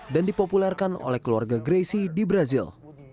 dan dipopulerkan oleh keluarga gracie di brazil